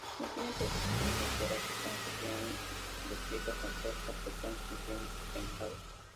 No tiene predisposición geográfica, aunque se han descrito con cierta frecuencia en climas templados.